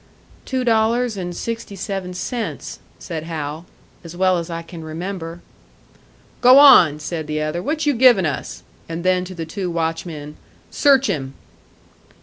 "Two dollars and sixty seven cents," said Hal "as well as I can remember." "Go on!" said the other. "What you givin' us?" And then, to the two watchmen, "Search him."